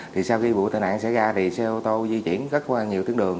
thì sau khi vụ tai nạn xảy ra thì xe ô tô di chuyển rất là nhiều tiếng đường